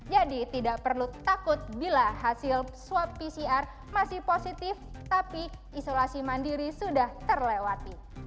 jadi tidak perlu takut bila hasil swab pcr masih positif tapi isolasi mandiri sudah terlewati